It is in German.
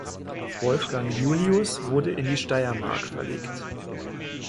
Wolfgang Julius wurde in die Steiermark verlegt.